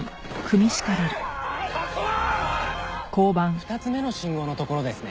２つ目の信号の所ですね。